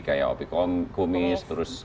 kayak opie kumis terus